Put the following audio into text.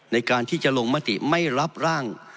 ในการที่จะลงมติไม่รับร่าง